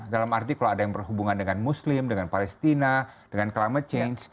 dalam arti kalau ada yang berhubungan dengan muslim dengan palestina dengan climate change